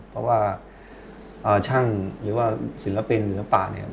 เพราะว่าช่างหรือว่าศิลปินศิลปะเนี่ย